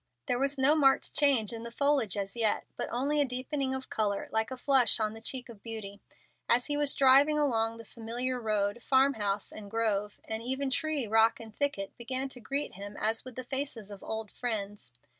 There was no marked change in the foliage as yet, but only a deepening of color, like a flush on the cheek of beauty. As he was driving along the familiar road, farm house and grove, and even tree, rock, and thicket, began to greet him as with the faces of old friends.